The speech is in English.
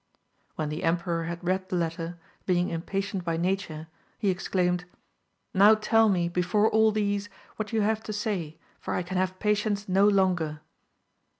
When the emperor had read the letter, being impatient by nature, he ex claimed. Now tell me before all these what you have to say, for I can have patience no longer.